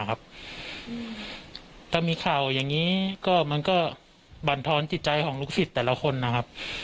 ถ้ามีข่าวอย่างนี้ก็มันก็บรรท้อนจิตใจของลูกศิษย์แต่ละคนนะครับ